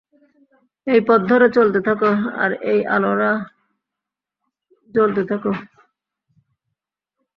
এই পথ ধরে চলতে থাকো, আর এই আলোরা জ্বলতে থাকো!